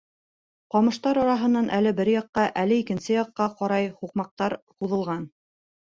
Ҡамыштар араһынан әле бер яҡҡа, әле икенсе яҡҡа ҡарай һуҡмаҡтар һуҙылған.